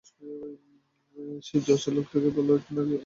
সে জজ লোকটাকে বলল আমরা নাকি অকটোরন।